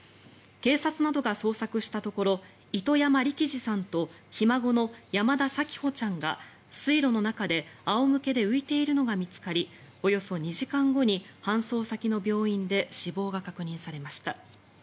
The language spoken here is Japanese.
警察などが捜索したところ糸山力二さんとひ孫の山田咲帆ちゃんが水路の中で仰向けで浮いているのが見つかりおよそ２時間後に搬送先の病院で死亡が確認されました。